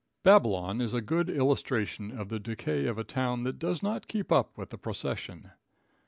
Babylon is a good illustration of the decay of a town that does not keep up with the procession.